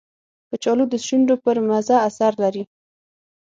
کچالو د شونډو پر مزه اثر لري